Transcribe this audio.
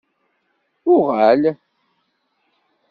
UƔal!